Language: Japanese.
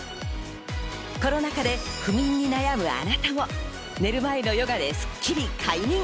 コロナ禍で不眠に悩むあなたも寝る前のヨガでスッキリ快眠。